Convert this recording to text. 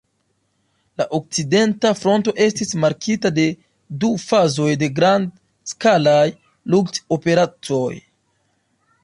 La Okcidenta Fronto estis markita de du fazoj de grand-skalaj lukt-operacoj.